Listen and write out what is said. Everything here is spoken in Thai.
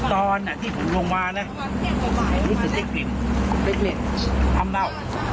ตอนนี้ที่ผมลงมาน่ะรู้สึกสิ้นกลิ่นทำเหล้า